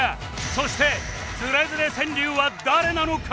そしてズレズレ川柳は誰なのか？